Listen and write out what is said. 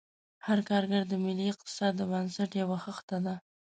هر کارګر د ملي اقتصاد د بنسټ یوه خښته ده.